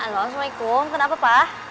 halo assalamualaikum kenapa pa